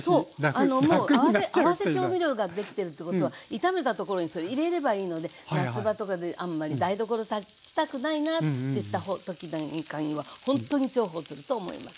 合わせ調味料ができてるってことは炒めたところにそれ入れればいいので夏場とかであんまり台所立ちたくないなって時なんかにはほんとに重宝すると思います。